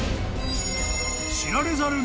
［知られざる］